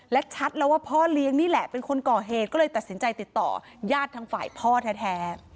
และชัดแล้วว่าพ่อเลี้ยงนี่แหละเป็นคนก่อเหตุก็เลยตัดสินใจติดต่อยาดทางฝ่ายพ่อแท้